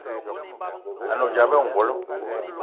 A ne odzap ayi ongolo.